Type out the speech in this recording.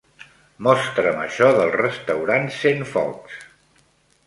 Mostra'm això del restaurant Centfocs.